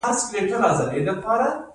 آیا میزان حق دی؟